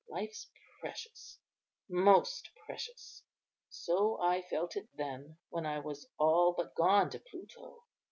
Ah! life's precious, most precious; so I felt it then, when I was all but gone to Pluto.